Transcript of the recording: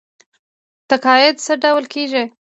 تقاعد څه وخت کیږي؟